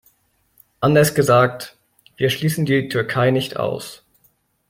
Anders gesagt, wir schließen die Türkei nicht aus.